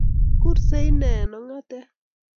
Kuursei Ine eng' ong'atet-